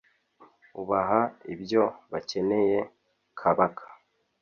ubaha ibyo bacyeneye kabaka